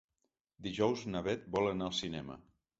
Dijous na Beth vol anar al cinema.